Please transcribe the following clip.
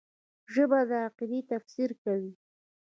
ژبه د عقیدې تفسیر کوي